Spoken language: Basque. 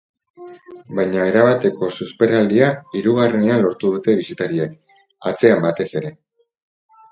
Baina erabateko susperraldia hirugarrenean lortu dute bisitariek, atzean batez ere.